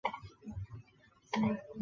监制王心慰。